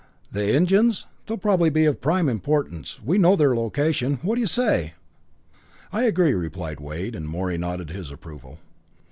"The engines? They'll probably be of prime importance. We know their location. What do you say?" "I agree," replied Wade, and Morey nodded his approval.